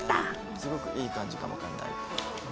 すごくいい感じかもわかんない。